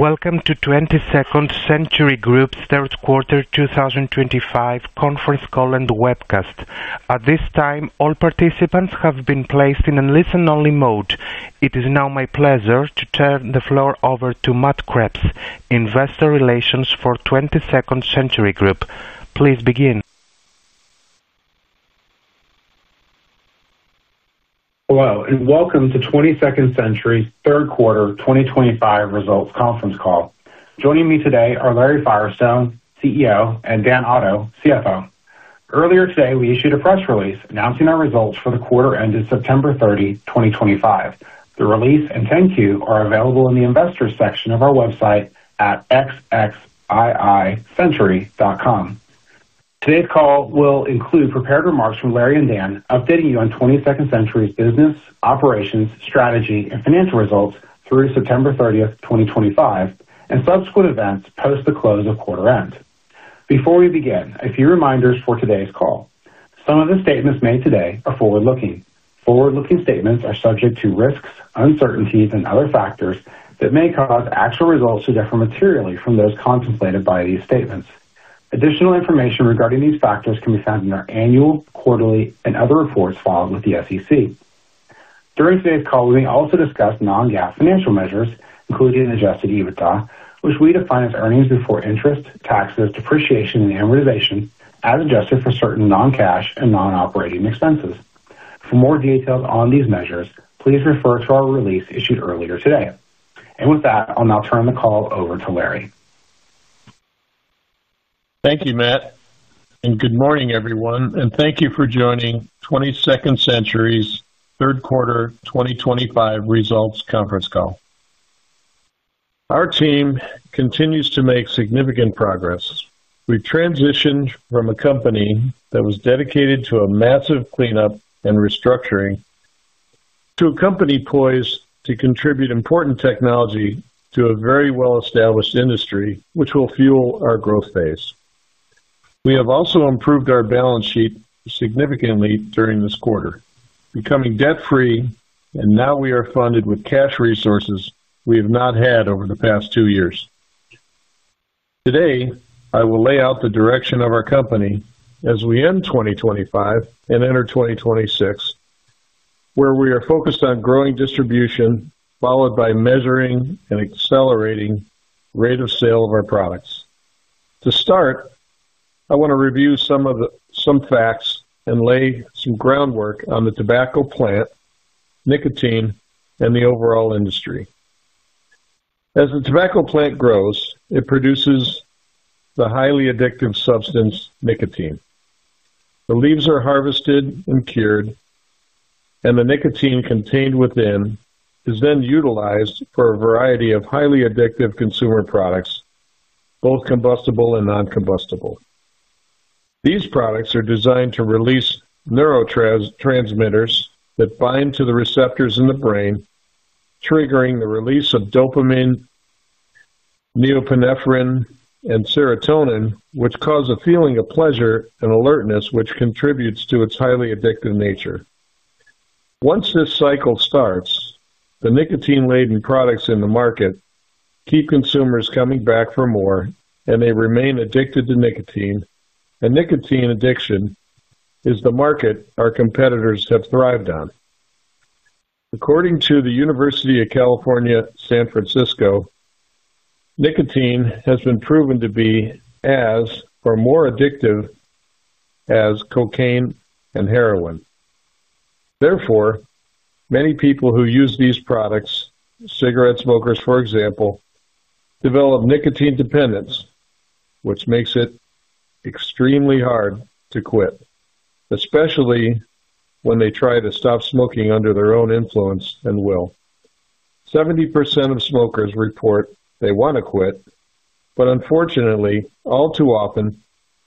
Welcome to 22nd Century Group's Third Quarter 2025 Conference Call and Webcast. At this time, all participants have been placed in listen-only mode. It is now my pleasure to turn the floor over to Matt Kreps, Investor Relations for 22nd Century Group. Please begin. Hello, and welcome to 22nd Century's Third Quarter 2025 Results Conference Call. Joining me today are Larry Firestone, CEO, and Dan Otto, CFO. Earlier today, we issued a press release announcing our results for the quarter ended September 30, 2025. The release and thank you are available in the Investors section of our website at xxii-century.com. Today's call will include prepared remarks from Larry and Dan, updating you on 22nd Century's business, operations, strategy, and financial results through September 30, 2025, and subsequent events post the close of quarter end. Before we begin, a few reminders for today's call. Some of the statements made today are forward-looking. Forward-looking statements are subject to risks, uncertainties, and other factors that may cause actual results to differ materially from those contemplated by these statements. Additional information regarding these factors can be found in our annual, quarterly, and other reports filed with the SEC. During today's call, we may also discuss non-GAAP financial measures, including adjusted EBITDA, which we define as earnings before interest, taxes, depreciation, and amortization as adjusted for certain non-cash and non-operating expenses. For more details on these measures, please refer to our release issued earlier today. With that, I'll now turn the call over to Larry. Thank you, Matt. Good morning, everyone. Thank you for joining 22nd Century's Third Quarter 2025 Results Conference Call. Our team continues to make significant progress. We've transitioned from a company that was dedicated to a massive cleanup and restructuring to a company poised to contribute important technology to a very well-established industry, which will fuel our growth phase. We have also improved our balance sheet significantly during this quarter, becoming debt-free, and now we are funded with cash resources we have not had over the past two years. Today, I will lay out the direction of our company as we end 2025 and enter 2026, where we are focused on growing distribution, followed by measuring and accelerating the rate of sale of our products. To start, I want to review some facts and lay some groundwork on the tobacco plant, nicotine, and the overall industry. As the tobacco plant grows, it produces the highly addictive substance nicotine. The leaves are harvested and cured, and the nicotine contained within is then utilized for a variety of highly addictive consumer products, both combustible and non-combustible. These products are designed to release neurotransmitters that bind to the receptors in the brain, triggering the release of dopamine, neopinephrine, and serotonin, which cause a feeling of pleasure and alertness, which contributes to its highly addictive nature. Once this cycle starts, the nicotine-laden products in the market keep consumers coming back for more, and they remain addicted to nicotine. Nicotine addiction is the market our competitors have thrived on. According to the University of California, San Francisco, nicotine has been proven to be as or more addictive as cocaine and heroin. Therefore, many people who use these products, cigarette smokers for example, develop nicotine dependence, which makes it extremely hard to quit, especially when they try to stop smoking under their own influence and will. Seventy percent of smokers report they want to quit, but unfortunately, all too often,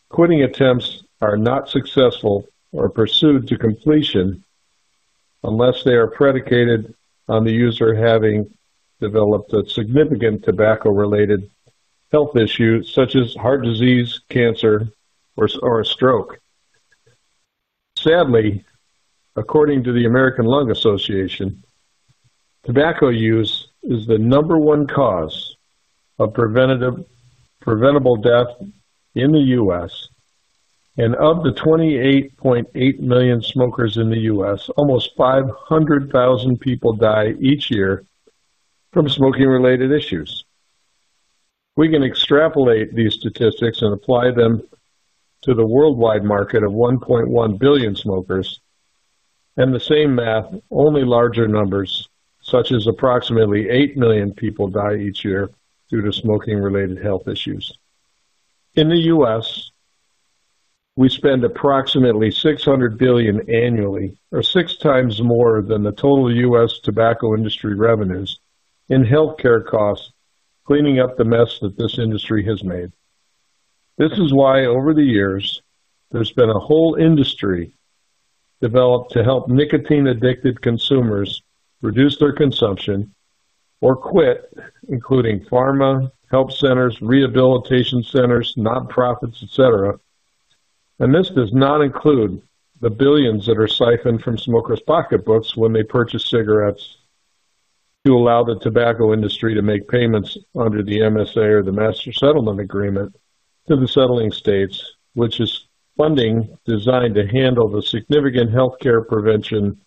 quitting attempts are not successful or pursued to completion unless they are predicated on the user having developed a significant tobacco-related health issue such as heart disease, cancer, or a stroke. Sadly, according to the American Lung Association, tobacco use is the number one cause of preventable death in the U.S., and of the 28.8 million smokers in the U.S., almost 500,000 people die each year from smoking-related issues. We can extrapolate these statistics and apply them to the worldwide market of 1.1 billion smokers, and the same math, only larger numbers such as approximately 8 million people die each year due to smoking-related health issues. In the U.S., we spend approximately $600 billion annually, or six times more than the total U.S. tobacco industry revenues, in healthcare costs, cleaning up the mess that this industry has made. This is why, over the years, there's been a whole industry developed to help nicotine-addicted consumers reduce their consumption or quit, including pharma, health centers, rehabilitation centers, nonprofits, et cetera. This does not include the billions that are siphoned from smokers' pocketbooks when they purchase cigarettes. To allow the tobacco industry to make payments under the Master Settlement Agreement to the settling states, which is funding designed to handle the significant healthcare prevention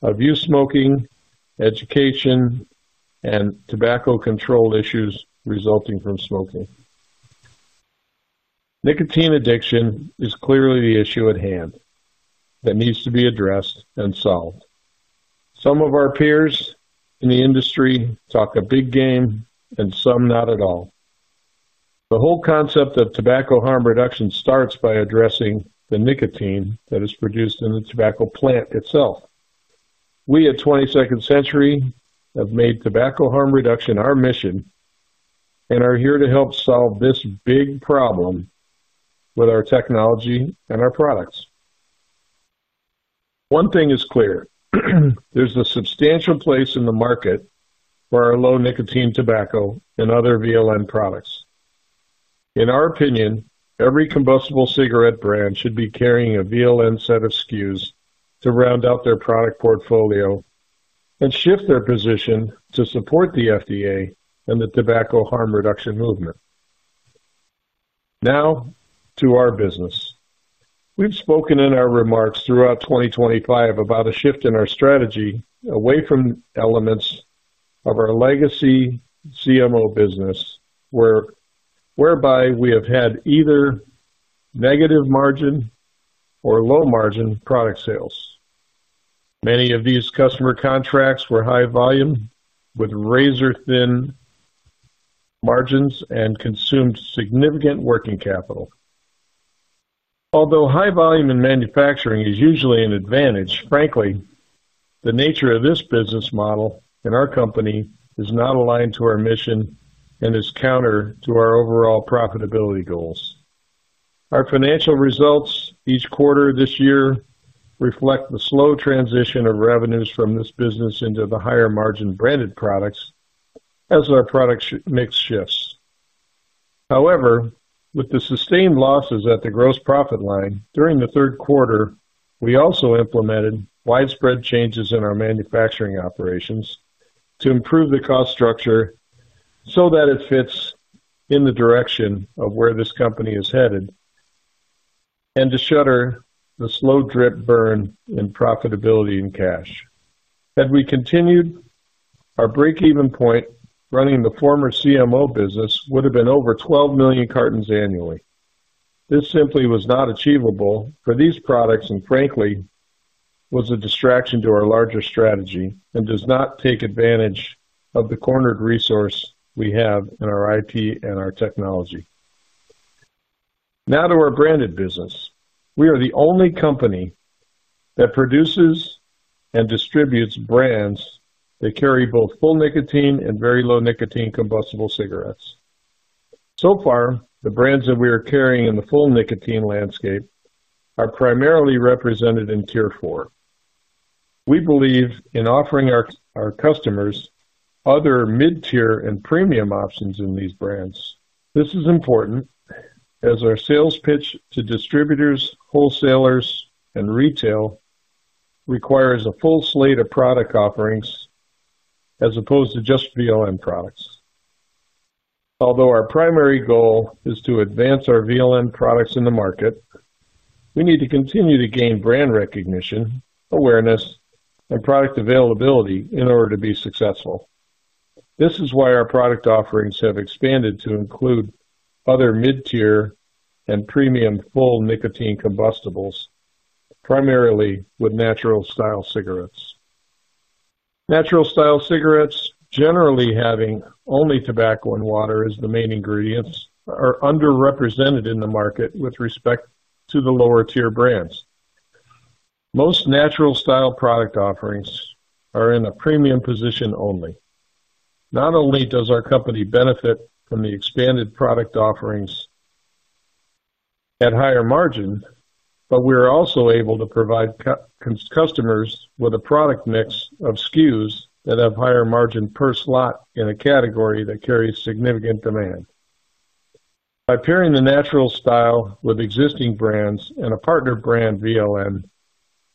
of youth smoking, education, and tobacco control issues resulting from smoking. Nicotine addiction is clearly the issue at hand. That needs to be addressed and solved. Some of our peers in the industry talk a big game, and some not at all. The whole concept of tobacco harm reduction starts by addressing the nicotine that is produced in the tobacco plant itself. We at 22nd Century have made tobacco harm reduction our mission and are here to help solve this big problem with our technology and our products. One thing is clear. There is a substantial place in the market for our low nicotine tobacco and other VLN products. In our opinion, every combustible cigarette brand should be carrying a VLN set of SKUs to round out their product portfolio and shift their position to support the FDA and the tobacco harm reduction movement. Now to our business. We have spoken in our remarks throughout 2025 about a shift in our strategy away from elements of our legacy CMO business, whereby we have had either negative margin or low margin product sales. Many of these customer contracts were high volume with razor-thin margins and consumed significant working capital. Although high volume in manufacturing is usually an advantage, frankly, the nature of this business model in our company is not aligned to our mission and is counter to our overall profitability goals. Our financial results each quarter this year reflect the slow transition of revenues from this business into the higher margin branded products as our product mix shifts. However, with the sustained losses at the gross profit line during the third quarter, we also implemented widespread changes in our manufacturing operations to improve the cost structure so that it fits in the direction of where this company is headed and to shutter the slow drip burn in profitability and cash. Had we continued, our break-even point running the former CMO business would have been over 12 million cartons annually. This simply was not achievable for these products and, frankly, was a distraction to our larger strategy and does not take advantage of the cornered resource we have in our IT and our technology. Now to our branded business. We are the only company that produces and distributes brands that carry both full nicotine and very low nicotine combustible cigarettes. So far, the brands that we are carrying in the full nicotine landscape are primarily represented in tier four. We believe in offering our customers other mid-tier and premium options in these brands. This is important, as our sales pitch to distributors, wholesalers, and retail requires a full slate of product offerings as opposed to just VLN products. Although our primary goal is to advance our VLN products in the market, we need to continue to gain brand recognition, awareness, and product availability in order to be successful. This is why our product offerings have expanded to include other mid-tier and premium full nicotine combustibles, primarily with natural style cigarettes. Natural style cigarettes, generally having only tobacco and water as the main ingredients, are underrepresented in the market with respect to the lower-tier brands. Most natural style product offerings are in a premium position only. Not only does our company benefit from the expanded product offerings at higher margin, but we are also able to provide customers with a product mix of SKUs that have higher margin per slot in a category that carries significant demand. By pairing the natural style with existing brands and a partner brand VLN,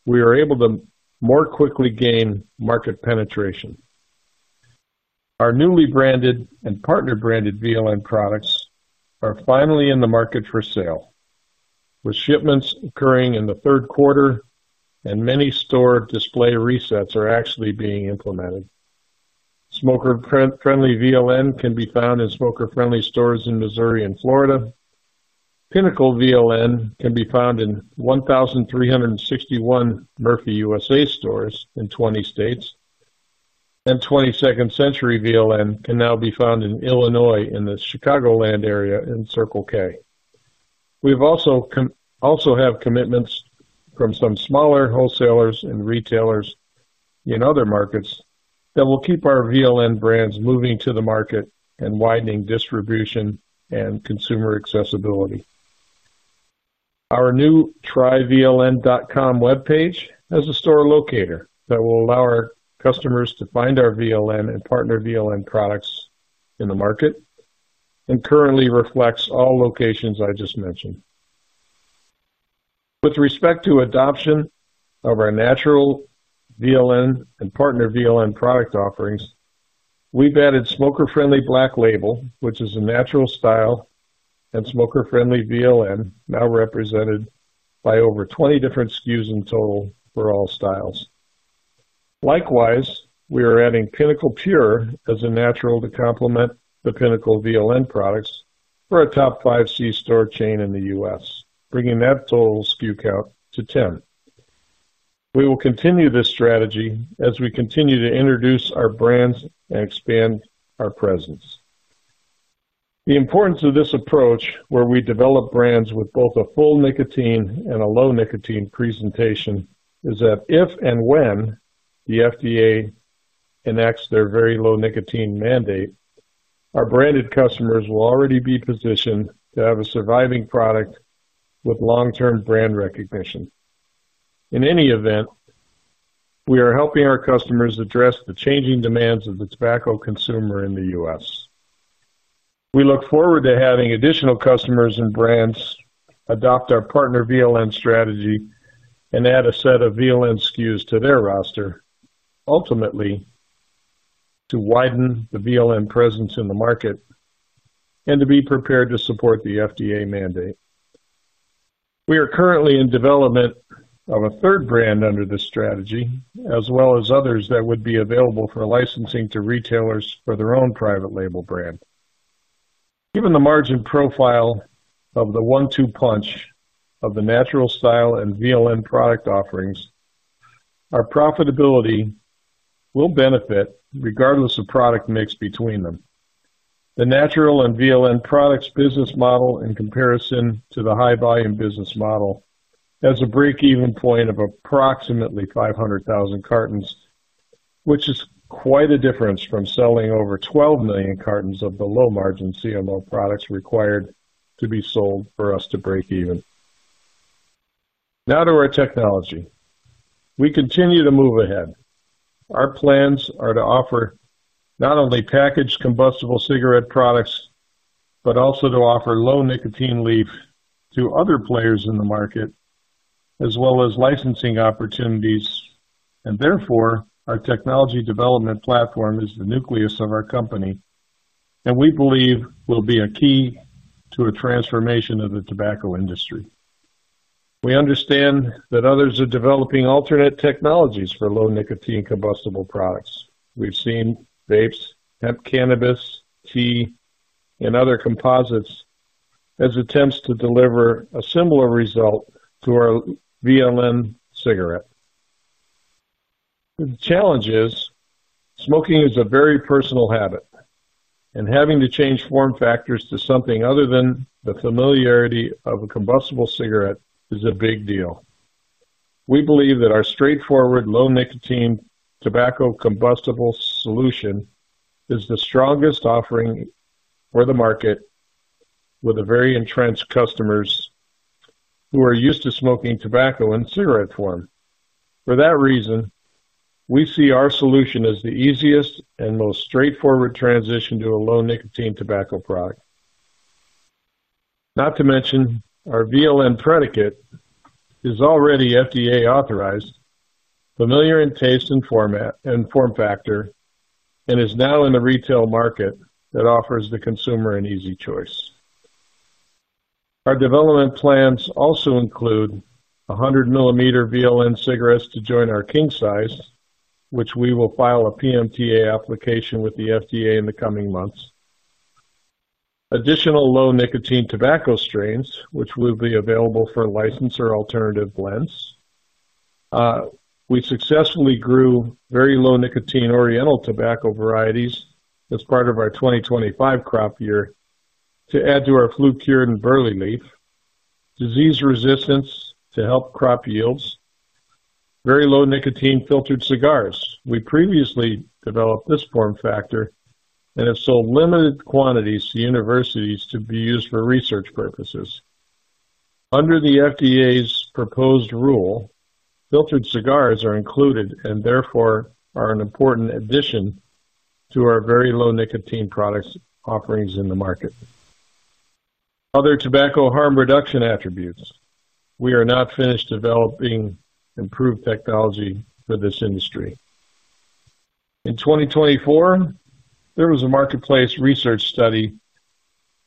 we are able to more quickly gain market penetration. Our newly branded and partner-branded VLN products are finally in the market for sale, with shipments occurring in the third quarter and many store display resets are actually being implemented. Smoker Friendly VLN can be found in Smoker Friendly stores in Missouri and Florida. Pinnacle VLN can be found in 1,361 Murphy USA stores in 20 states. 22nd Century VLN can now be found in Illinois in the Chicagoland area in Circle K. We also have commitments from some smaller wholesalers and retailers in other markets that will keep our VLN brands moving to the market and widening distribution and consumer accessibility. Our new tryVLN.com webpage has a store locator that will allow our customers to find our VLN and partner VLN products in the market and currently reflects all locations I just mentioned. With respect to adoption of our natural, VLN, and partner VLN product offerings, we have added Smoker Friendly Black Label, which is a natural style, and Smoker Friendly VLN, now represented by over 20 different SKUs in total for all styles. Likewise, we are adding Pinnacle Pure as a natural to complement the Pinnacle VLN products for a top five C-store chain in the US, bringing that total SKU count to 10. We will continue this strategy as we continue to introduce our brands and expand our presence. The importance of this approach, where we develop brands with both a full nicotine and a low nicotine presentation, is that if and when the FDA enacts their very low nicotine mandate, our branded customers will already be positioned to have a surviving product with long-term brand recognition. In any event, we are helping our customers address the changing demands of the tobacco consumer in the US. We look forward to having additional customers and brands adopt our partner VLN strategy and add a set of VLN SKUs to their roster, ultimately to widen the VLN presence in the market and to be prepared to support the FDA mandate. We are currently in development of a third brand under this strategy, as well as others that would be available for licensing to retailers for their own private label brand. Given the margin profile of the one-two punch of the natural style and VLN product offerings, our profitability will benefit regardless of product mix between them. The natural and VLN products business model, in comparison to the high-volume business model, has a break-even point of approximately 500,000 cartons, which is quite a difference from selling over 12 million cartons of the low-margin CMO products required to be sold for us to break even. Now to our technology. We continue to move ahead. Our plans are to offer not only packaged combustible cigarette products, but also to offer low nicotine leaf to other players in the market, as well as licensing opportunities. Therefore, our technology development platform is the nucleus of our company, and we believe will be a key to a transformation of the tobacco industry. We understand that others are developing alternate technologies for low nicotine combustible products. We have seen vapes, hemp cannabis, tea, and other composites as attempts to deliver a similar result to our VLN cigarette. The challenge is, smoking is a very personal habit, and having to change form factors to something other than the familiarity of a combustible cigarette is a big deal. We believe that our straightforward low nicotine tobacco combustible solution is the strongest offering for the market, with very entrenched customers who are used to smoking tobacco in cigarette form. For that reason, we see our solution as the easiest and most straightforward transition to a low nicotine tobacco product. Not to mention, our VLN predicate is already FDA authorized, familiar in taste and form factor, and is now in the retail market that offers the consumer an easy choice. Our development plans also include 100-millimeter VLN cigarettes to join our king size, which we will file a PMTA application with the FDA in the coming months. Additional low nicotine tobacco strains, which will be available for licensed or alternative blends. We successfully grew very low nicotine oriental tobacco varieties as part of our 2025 crop year to add to our flue-cured and burley leaf. Disease resistance to help crop yields. Very low nicotine filtered cigars. We previously developed this form factor and have sold limited quantities to universities to be used for research purposes. Under the FDA's proposed rule, filtered cigars are included and therefore are an important addition to our very low nicotine products offerings in the market. Other tobacco harm reduction attributes. We are not finished developing improved technology for this industry. In 2024, there was a marketplace research study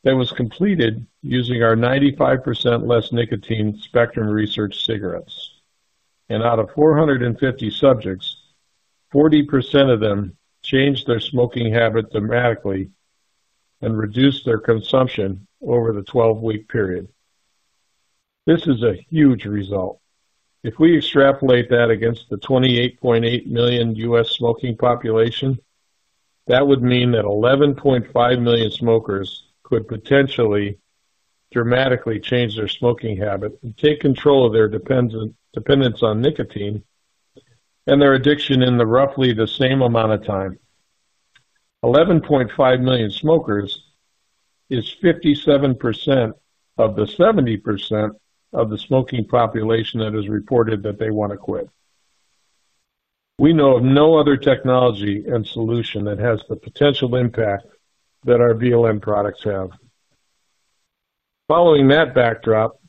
that was completed using our 95% less nicotine spectrum research cigarettes, and out of 450 subjects, 40% of them changed their smoking habit dramatically and reduced their consumption over the 12-week period. This is a huge result. If we extrapolate that against the 28.8 million US smoking population, that would mean that 11.5 million smokers could potentially dramatically change their smoking habit and take control of their dependence on nicotine and their addiction in roughly the same amount of time. 11.5 million smokers is 57% of the 70% of the smoking population that has reported that they want to quit. We know of no other technology and solution that has the potential impact that our VLN products have. Following that backdrop,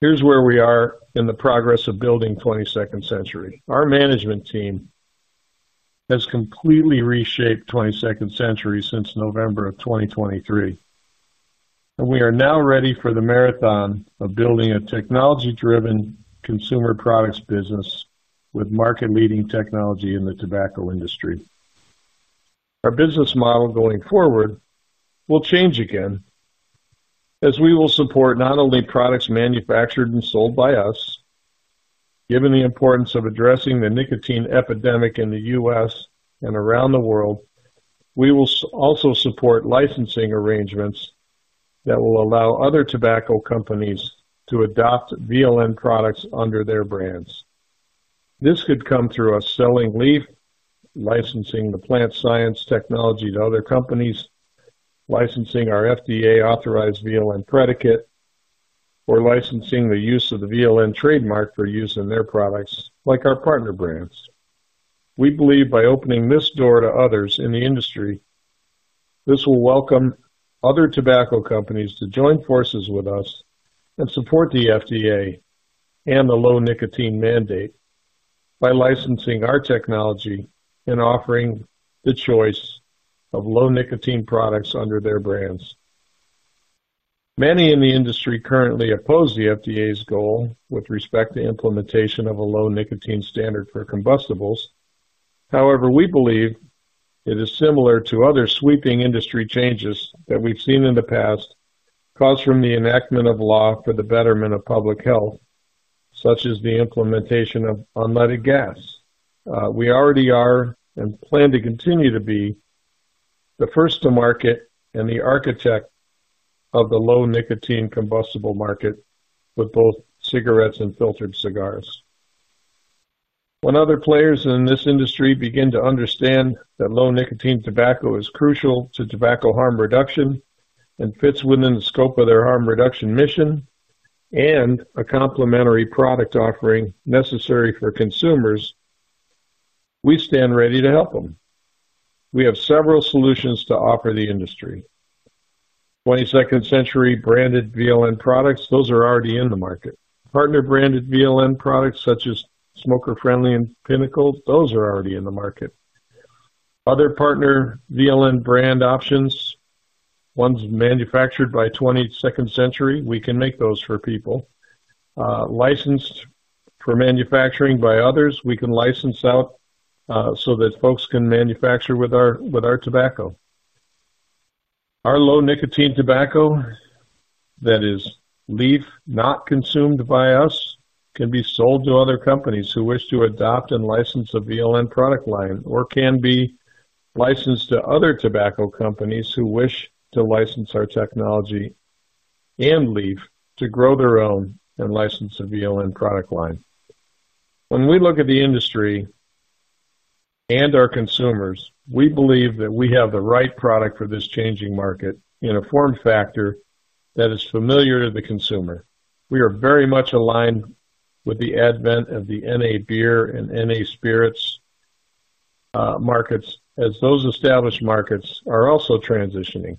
here's where we are in the progress of building 22nd Century. Our management team has completely reshaped 22nd Century since November of 2023, and we are now ready for the marathon of building a technology-driven consumer products business with market-leading technology in the tobacco industry. Our business model going forward will change again, as we will support not only products manufactured and sold by us. Given the importance of addressing the nicotine epidemic in the US and around the world, we will also support licensing arrangements that will allow other tobacco companies to adopt VLN products under their brands. This could come through us selling leaf, licensing the plant science technology to other companies, licensing our FDA authorized VLN predicate, or licensing the use of the VLN trademark for use in their products like our partner brands. We believe by opening this door to others in the industry, this will welcome other tobacco companies to join forces with us and support the FDA and the low nicotine mandate by licensing our technology and offering the choice of low nicotine products under their brands. Many in the industry currently oppose the FDA's goal with respect to implementation of a low nicotine standard for combustibles. However, we believe it is similar to other sweeping industry changes that we've seen in the past, caused from the enactment of law for the betterment of public health, such as the implementation of unleaded gas. We already are and plan to continue to be the first to market and the architect of the low nicotine combustible market with both cigarettes and filtered cigars. When other players in this industry begin to understand that low nicotine tobacco is crucial to tobacco harm reduction and fits within the scope of their harm reduction mission and a complementary product offering necessary for consumers, we stand ready to help them. We have several solutions to offer the industry. 22nd Century branded VLN products, those are already in the market. Partner branded VLN products such as Smoker Friendly and Pinnacle, those are already in the market. Other partner VLN brand options, ones manufactured by 22nd Century, we can make those for people. Licensed for manufacturing by others, we can license out so that folks can manufacture with our tobacco, our low nicotine tobacco. That is leaf, not consumed by us, can be sold to other companies who wish to adopt and license a VLN product line or can be licensed to other tobacco companies who wish to license our technology and leaf to grow their own and license a VLN product line. When we look at the industry and our consumers, we believe that we have the right product for this changing market in a form factor that is familiar to the consumer. We are very much aligned with the advent of the NA beer and NA spirits markets, as those established markets are also transitioning.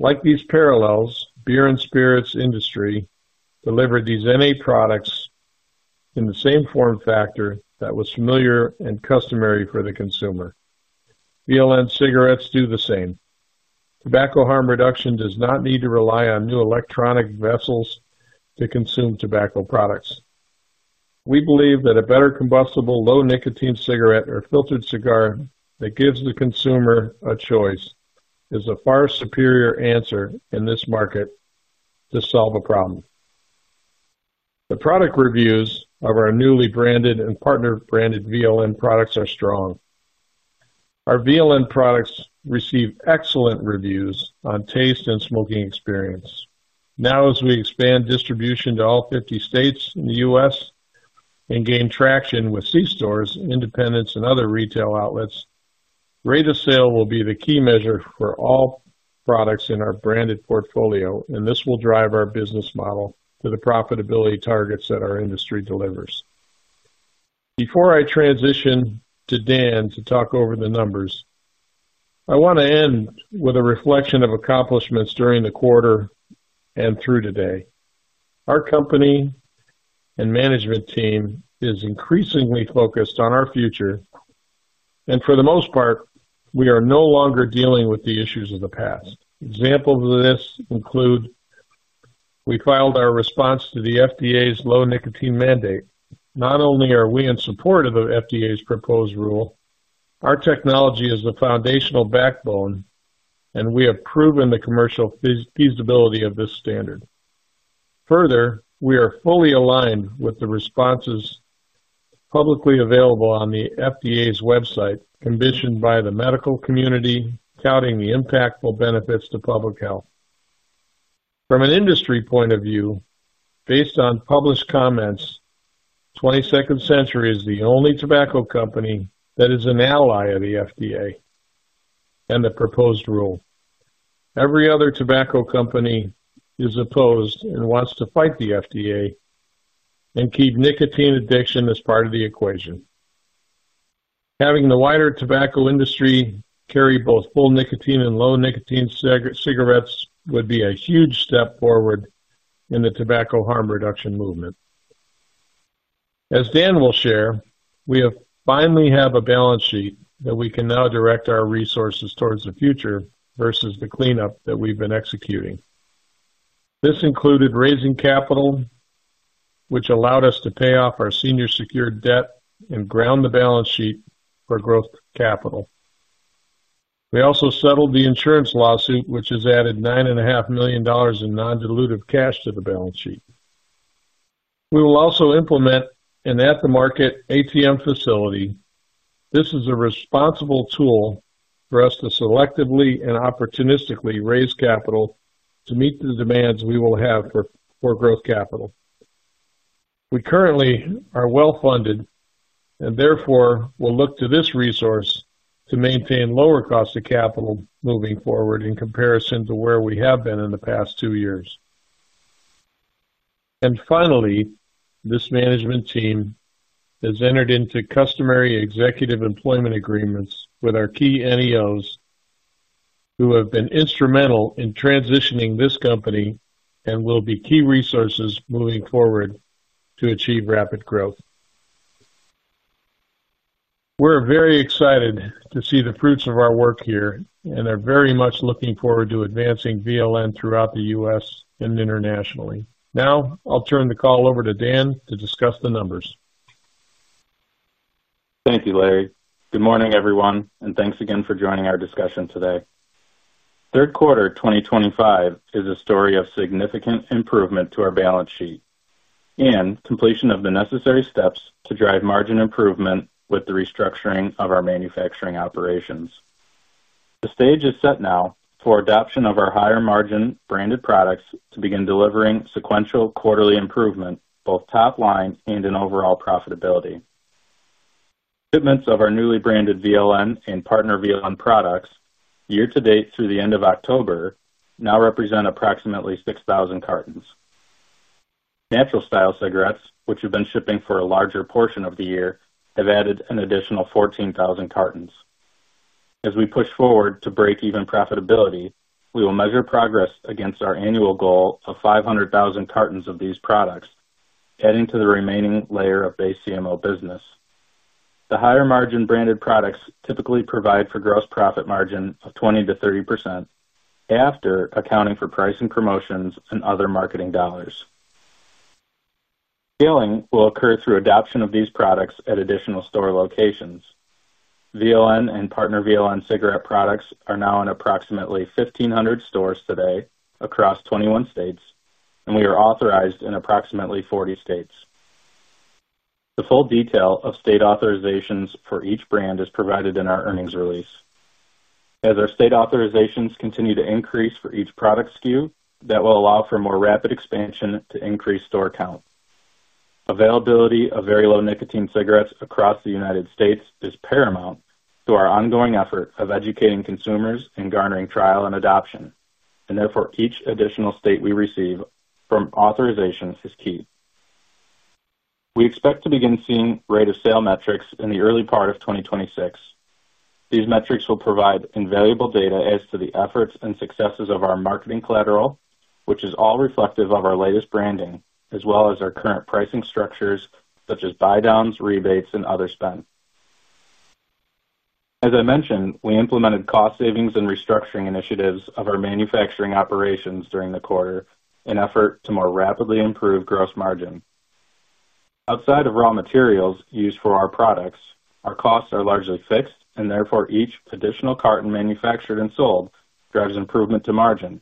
Like these parallels, beer and spirits industry delivered these NA products in the same form factor that was familiar and customary for the consumer. VLN cigarettes do the same. Tobacco harm reduction does not need to rely on new electronic vessels to consume tobacco products. We believe that a better combustible low nicotine cigarette or filtered cigar that gives the consumer a choice is a far superior answer in this market to solve a problem. The product reviews of our newly branded and partner branded VLN products are strong. Our VLN products receive excellent reviews on taste and smoking experience. Now, as we expand distribution to all 50 states in the U.S. and gain traction with C-stores, independents, and other retail outlets, rate of sale will be the key measure for all products in our branded portfolio, and this will drive our business model to the profitability targets that our industry delivers. Before I transition to Dan to talk over the numbers, I want to end with a reflection of accomplishments during the quarter and through today. Our company and management team is increasingly focused on our future, and for the most part, we are no longer dealing with the issues of the past. Examples of this include we filed our response to the FDA's low nicotine mandate. Not only are we in support of the FDA's proposed rule, our technology is the foundational backbone, and we have proven the commercial feasibility of this standard. Further, we are fully aligned with the responses publicly available on the FDA's website, commissioned by the medical community, touting the impactful benefits to public health. From an industry point of view, based on published comments, 22nd Century Group is the only tobacco company that is an ally of the FDA and the proposed rule. Every other tobacco company is opposed and wants to fight the FDA and keep nicotine addiction as part of the equation. Having the wider tobacco industry carry both full nicotine and low nicotine cigarettes would be a huge step forward in the tobacco harm reduction movement. As Dan will share, we finally have a balance sheet that we can now direct our resources towards the future versus the cleanup that we've been executing. This included raising capital, which allowed us to pay off our senior secured debt and ground the balance sheet for growth capital. We also settled the insurance lawsuit, which has added $9.5 million in non-dilutive cash to the balance sheet. We will also implement an at-the-market ATM facility. This is a responsible tool for us to selectively and opportunistically raise capital to meet the demands we will have for growth capital. We currently are well-funded, and therefore will look to this resource to maintain lower cost of capital moving forward in comparison to where we have been in the past two years. Finally, this management team has entered into customary executive employment agreements with our key NEOs, who have been instrumental in transitioning this company and will be key resources moving forward to achieve rapid growth. We're very excited to see the fruits of our work here and are very much looking forward to advancing VLN throughout the US and internationally. Now, I'll turn the call over to Dan to discuss the numbers. Thank you, Larry. Good morning, everyone, and thanks again for joining our discussion today. Third quarter 2025 is a story of significant improvement to our balance sheet and completion of the necessary steps to drive margin improvement with the restructuring of our manufacturing operations. The stage is set now for adoption of our higher margin branded products to begin delivering sequential quarterly improvement, both top line and in overall profitability. Shipments of our newly branded VLN and partner VLN products year-to-date through the end of October now represent approximately 6,000 cartons. Natural style cigarettes, which have been shipping for a larger portion of the year, have added an additional 14,000 cartons. As we push forward to break even profitability, we will measure progress against our annual goal of 500,000 cartons of these products, adding to the remaining layer of base CMO business. The higher margin branded products typically provide for gross profit margin of 20%-30% after accounting for pricing promotions and other marketing dollars. Scaling will occur through adoption of these products at additional store locations. VLN and partner VLN cigarette products are now in approximately 1,500 stores today across 21 states, and we are authorized in approximately 40 states. The full detail of state authorizations for each brand is provided in our earnings release. As our state authorizations continue to increase for each product SKU, that will allow for more rapid expansion to increase store count. Availability of very low nicotine cigarettes across the United States is paramount to our ongoing effort of educating consumers and garnering trial and adoption, and therefore each additional state we receive from authorization is key. We expect to begin seeing rate of sale metrics in the early part of 2026. These metrics will provide invaluable data as to the efforts and successes of our marketing collateral, which is all reflective of our latest branding, as well as our current pricing structures such as buy downs, rebates, and other spend. As I mentioned, we implemented cost savings and restructuring initiatives of our manufacturing operations during the quarter in effort to more rapidly improve gross margin. Outside of raw materials used for our products, our costs are largely fixed, and therefore each additional carton manufactured and sold drives improvement to margin.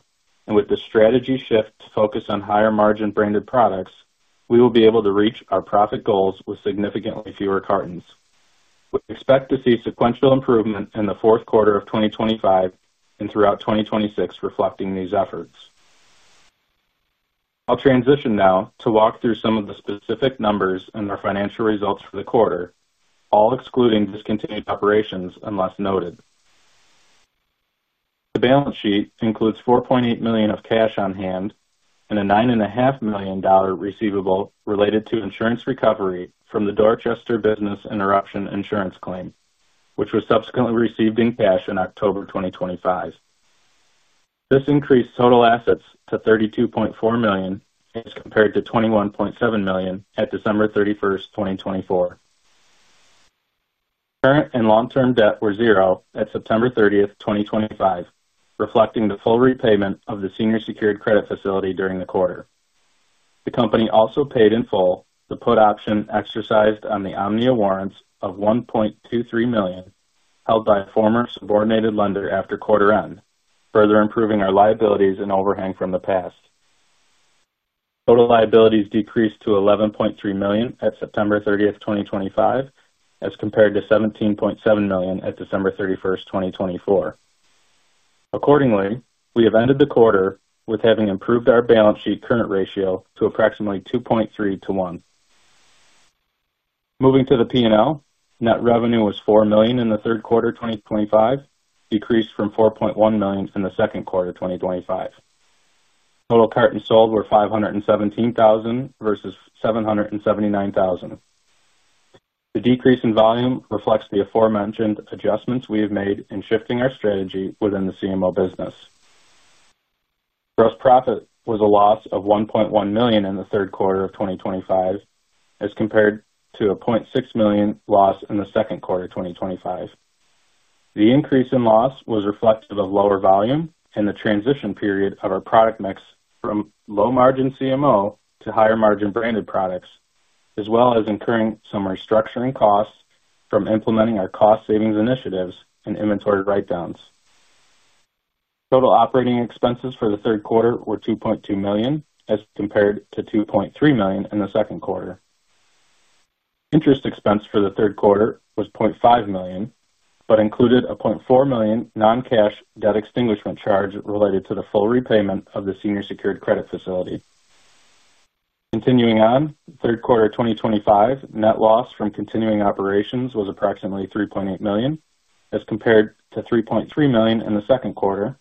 With the strategy shift to focus on higher margin branded products, we will be able to reach our profit goals with significantly fewer cartons. We expect to see sequential improvement in the fourth quarter of 2025 and throughout 2026 reflecting these efforts. I'll transition now to walk through some of the specific numbers and our financial results for the quarter, all excluding discontinued operations unless noted. The balance sheet includes $4.8 million of cash on hand and a $9.5 million receivable related to insurance recovery from the Dorchester business interruption insurance claim, which was subsequently received in cash in October 2025. This increased total assets to $32.4 million as compared to $21.7 million at December 31, 2024. Current and long-term debt were zero at September 30, 2025, reflecting the full repayment of the senior secured credit facility during the quarter. The company also paid in full the put option exercised on the Omnia warrants of $1.23 million held by a former subordinated lender after quarter end, further improving our liabilities and overhang from the past. Total liabilities decreased to $11.3 million at September 30, 2025, as compared to $17.7 million at December 31, 2024. Accordingly, we have ended the quarter with having improved our balance sheet current ratio to approximately 2.3 to 1. Moving to the P&L, net revenue was $4 million in the third quarter 2025, decreased from $4.1 million in the second quarter 2025. Total cartons sold were 517,000 versus 779,000. The decrease in volume reflects the aforementioned adjustments we have made in shifting our strategy within the CMO business. Gross profit was a loss of $1.1 million in the third quarter of 2025 as compared to a $0.6 million loss in the second quarter 2025. The increase in loss was reflective of lower volume and the transition period of our product mix from low margin CMO to higher margin branded products, as well as incurring some restructuring costs from implementing our cost savings initiatives and inventory write-downs. Total operating expenses for the third quarter were $2.2 million as compared to $2.3 million in the second quarter. Interest expense for the third quarter was $0.5 million, but included a $0.4 million non-cash debt extinguishment charge related to the full repayment of the senior secured credit facility. Continuing on, third quarter 2025 net loss from continuing operations was approximately $3.8 million as compared to $3.3 million in the second quarter,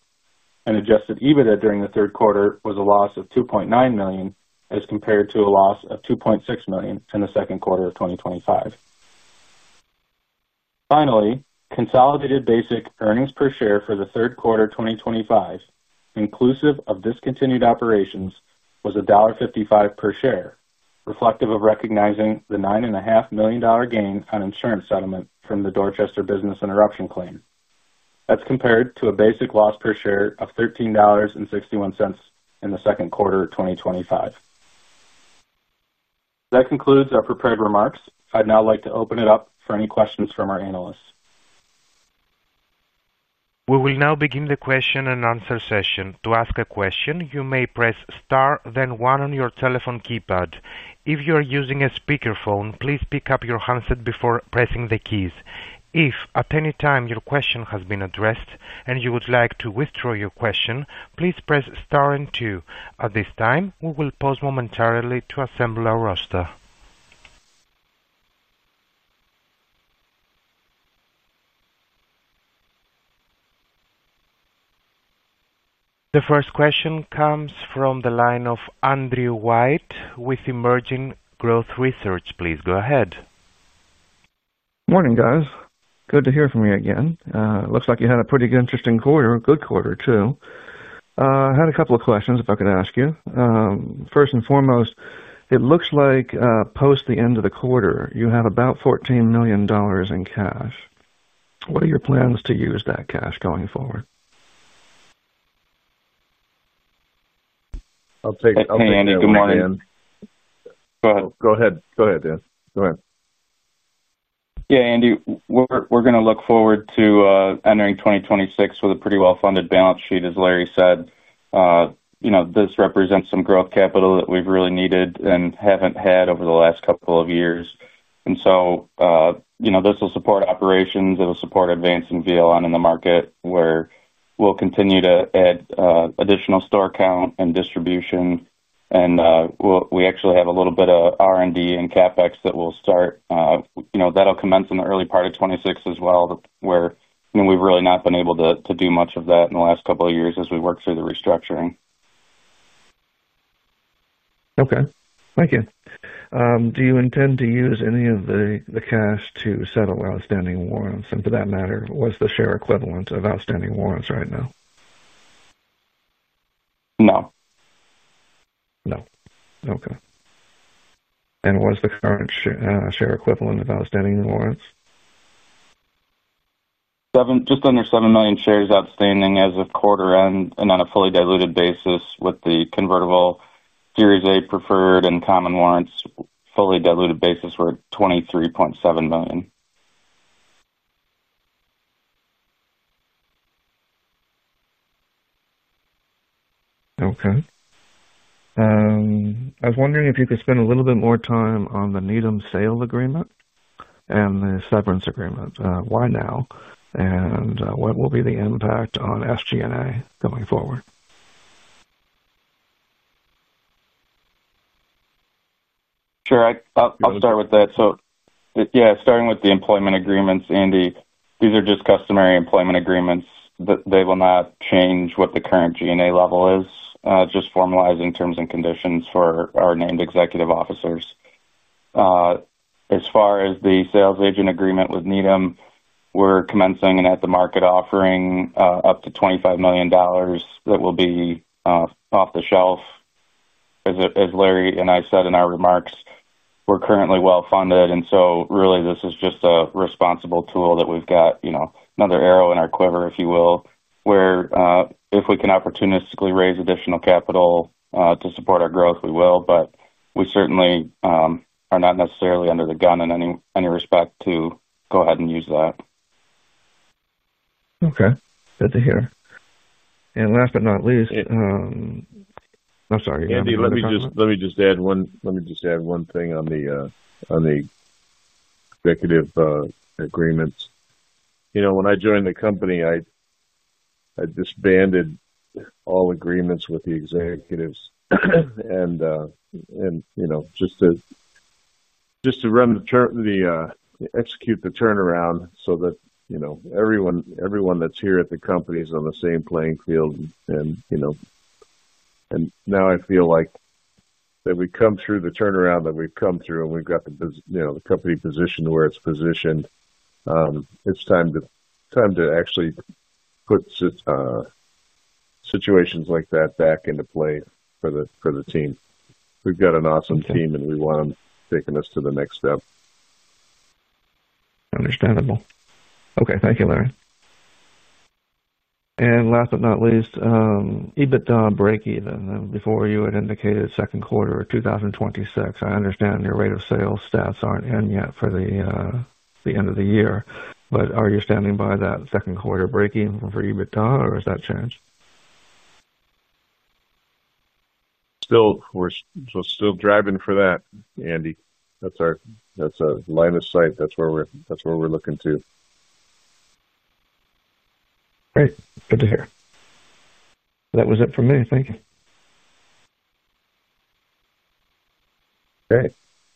and adjusted EBITDA during the third quarter was a loss of $2.9 million as compared to a loss of $2.6 million in the second quarter of 2025. Finally, consolidated basic earnings per share for the third quarter 2025, inclusive of discontinued operations, was $1.55 per share, reflective of recognizing the $9.5 million gain on insurance settlement from the Dorchester business interruption claim. That's compared to a basic loss per share of $13.61 in the second quarter of 2025. That concludes our prepared remarks. I'd now like to open it up for any questions from our analysts. We will now begin the question-and answer session. To ask a question, you may press Star, then 1 on your telephone keypad. If you are using a speakerphone, please pick up your handset before pressing the keys. If at any time your question has been addressed and you would like to withdraw your question, please press Star and 2. At this time, we will pause momentarily to assemble our roster. The first question comes from the line of Andrew White with Emerging Growth Research. Please go ahead. Morning, guys. Good to hear from you again. Looks like you had a pretty interesting quarter, a good quarter, too. I had a couple of questions if I could ask you. First and foremost, it looks like post the end of the quarter, you have about $14 million in cash. What are your plans to use that cash going forward? Okay, Andy, good morning. Go ahead. Go ahead, Dan. Go ahead. Yeah, Andy, we're going to look forward to entering 2026 with a pretty well-funded balance sheet, as Larry said. This represents some growth capital that we've really needed and haven't had over the last couple of years. This will support operations. It will support advancing VLN in the market where we'll continue to add additional store count and distribution. We actually have a little bit of R&D and CapEx that will start. That'll commence in the early part of 2026 as well, where we've really not been able to do much of that in the last couple of years as we work through the restructuring. Okay. Thank you. Do you intend to use any of the cash to settle outstanding warrants and, for that matter, what's the share equivalent of outstanding warrants right now? No. No. Okay. And what's the current share equivalent of outstanding warrants? Just under 7 million shares outstanding as of quarter end and on a fully diluted basis with the convertible Series A preferred and common warrants fully diluted basis were 23.7 million. Okay. I was wondering if you could spend a little bit more time on the Needham sale agreement. And the severance agreement. Why now? And what will be the impact on SG&A going forward? Sure. I'll start with that. So, yeah, starting with the employment agreements, Andy, these are just customary employment agreements. They will not change what the current G&A level is, just formalizing terms and conditions for our named executive officers. As far as the sales agent agreement with Needham, we're commencing an at-the-market offering up to $25 million that will be off the shelf. As Larry and I said in our remarks, we're currently well-funded, and so really, this is just a responsible tool that we've got, another arrow in our quiver, if you will, where if we can opportunistically raise additional capital to support our growth, we will, but we certainly are not necessarily under the gun in any respect to go ahead and use that. Okay. Good to hear. And last but not least. I'm sorry. Andy, let me just add one thing on the executive agreements. When I joined the company, I disbanded all agreements with the executives. And just to execute the turnaround so that everyone that's here at the company is on the same playing field. And now I feel like that we've come through the turnaround that we've come through, and we've got the company positioned where it's positioned. It's time to actually put situations like that back into play for the team. We've got an awesome team, and we want them taking us to the next step. Understandable. Okay. Thank you, Larry. And last but not least. EBITDA break-even, before you had indicated second quarter of 2026. I understand your rate of sales stats aren't in yet for the end of the year, but are you standing by that second quarter break-even for EBITDA, or has that changed? We're still driving for that, Andy. That's our line of sight. That's where we're looking to. Great. Good to hear. That was it for me. Thank you. Okay.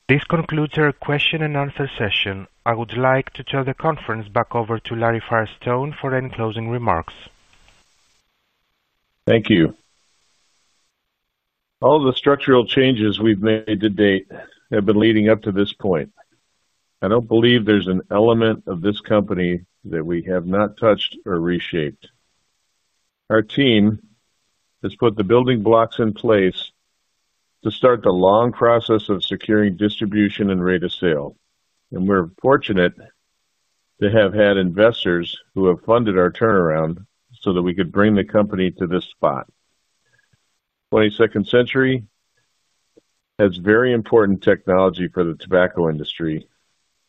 This concludes our question and answer session. I would like to turn the conference back over to Larry Firestone for any closing remarks. Thank you. All the structural changes we've made to date have been leading up to this point. I don't believe there's an element of this company that we have not touched or reshaped. Our team has put the building blocks in place to start the long process of securing distribution and rate of sale. And we're fortunate to have had investors who have funded our turnaround so that we could bring the company to this spot. 22nd Century has very important technology for the tobacco industry.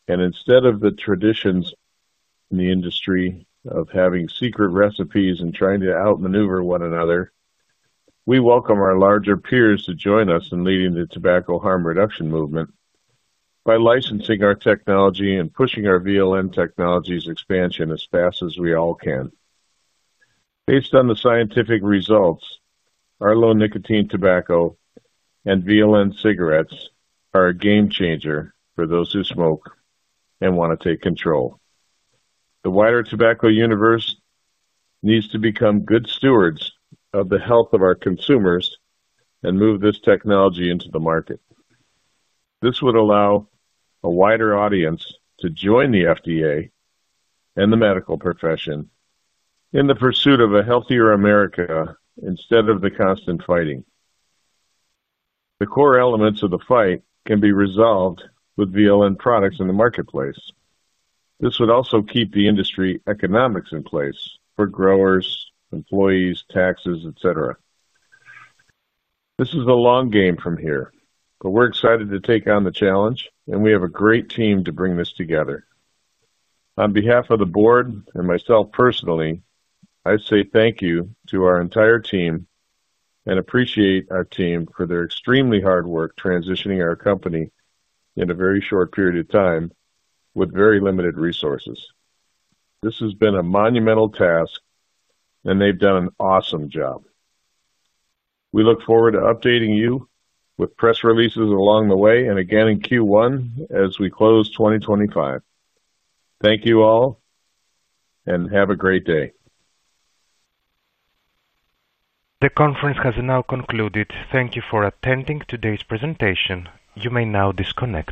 Instead of the traditions in the industry of having secret recipes and trying to outmaneuver one another, we welcome our larger peers to join us in leading the tobacco harm reduction movement by licensing our technology and pushing our VLN technologies expansion as fast as we all can. Based on the scientific results, our low nicotine tobacco and VLN cigarettes are a game changer for those who smoke and want to take control. The wider tobacco universe needs to become good stewards of the health of our consumers and move this technology into the market. This would allow a wider audience to join the FDA and the medical profession. In the pursuit of a healthier America instead of the constant fighting. The core elements of the fight can be resolved with VLN products in the marketplace. This would also keep the industry economics in place for growers, employees, taxes, etc. This is the long game from here, but we're excited to take on the challenge, and we have a great team to bring this together. On behalf of the board and myself personally, I say thank you to our entire team. I appreciate our team for their extremely hard work transitioning our company in a very short period of time with very limited resources. This has been a monumental task, and they've done an awesome job. We look forward to updating you with press releases along the way and again in Q1 as we close 2025. Thank you all. Have a great day. The conference has now concluded. Thank you for attending today's presentation. You may now disconnect.